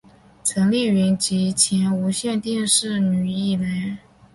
陈丽云及前无线电视女艺员。